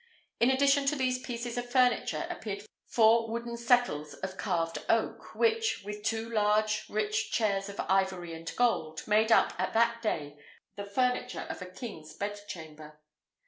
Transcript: In addition to these pieces of furniture appeared four wooden settles of carved oak, which, with two large rich chairs of ivory and gold, made up, at that day, the furniture of a king's bed chamber.